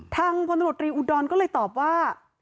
ทางพนธนตรีอุดรก็เลยตอบว่า